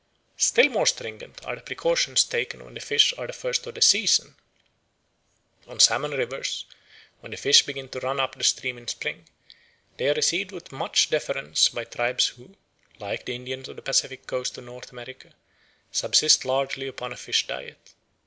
Still more stringent are the precautions taken when the fish are the first of the season. On salmon rivers, when the fish begin to run up the stream in spring, they are received with much deference by tribes who, like the Indians of the Pacific Coast of North America, subsist largely upon a fish diet.